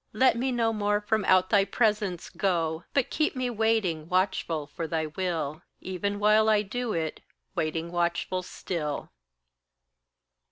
Let me no more from out thy presence go, But keep me waiting watchful for thy will Even while I do it, waiting watchful still.